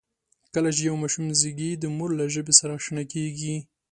کله چې یو ماشوم زېږي، د مور له ژبې سره آشنا کېږي.